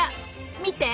見て！